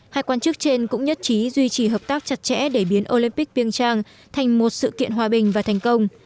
hai quan chức trên cũng nhất trí duy trì hợp tác chặt chẽ để biến olympic piêng trang thành một sự kiện hòa bình và thành công